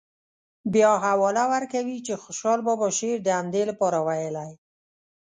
بیا حواله ورکوي چې خوشحال بابا شعر د همدې لپاره ویلی.